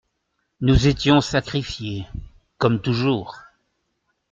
Nous étions sacrifiées… comme toujours !